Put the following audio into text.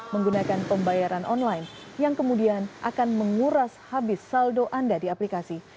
menggunakan pembayaran online yang kemudian akan menguras habis saldo anda di aplikasi